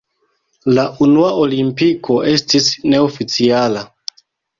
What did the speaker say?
La unua Olimpiko estis neoficiala.